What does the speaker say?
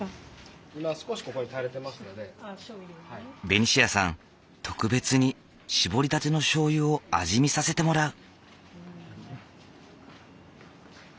ベニシアさん特別に搾りたてのしょうゆを味見させてもらう。